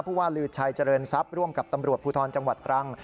ว่าลือชัยเจริญทรัพย์ร่วมกับตำรวจภูทรจังหวัดตรัง